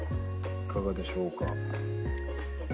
いかがでしょうか？